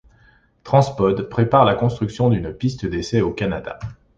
TransPod prépare la construction d’une piste d’essai au Canada.